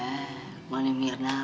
eh kemana mirna bukan merry